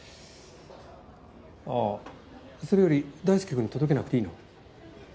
あそれより大輔くんに届けなくていいの？